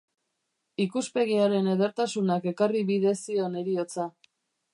Ikuspegiaren edertasunak ekarri bide zion heriotza.